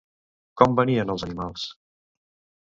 Com venien els animals?